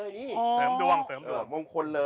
เสริมด้วงเสริมด้วงมงคลเลย